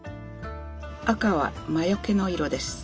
赤は魔よけの色です。